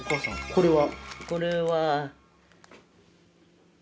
これは。